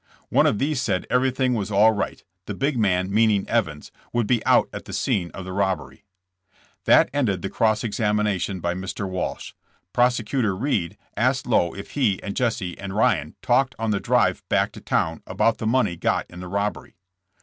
One of these said everything was all right, the big man meaning Evans, would be out at the scene of the robbery. That ended the cross examination by Mr. Walsh. Prosecutor Reed asked Lowe if he and Jesse and Ryan talked on the drive back to town about the money got in the robbery.